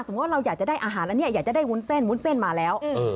เราอยากจะได้อาหารอันนี้อยากจะได้วุ้นเส้นวุ้นเส้นมาแล้ว